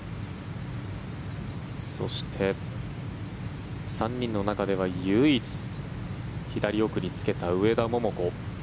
そして、３人の中では唯一、左奥につけた上田桃子。